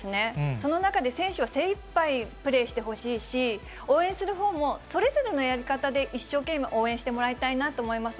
その中で選手は精いっぱいプレーしてほしいし、応援するほうも、それぞれのやり方で一生懸命応援してもらいたいなと思います。